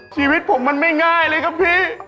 ชีวิตผมมันไม่ง่ายเลยครับพี่